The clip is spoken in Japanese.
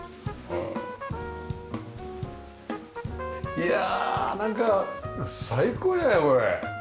いやなんか最高じゃないこれ。